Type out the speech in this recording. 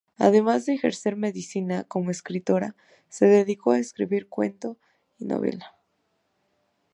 Además de ejercer medicina, como escritora se dedicó a escribir cuento y novela.